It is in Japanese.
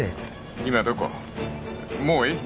☎今どこもう愛媛？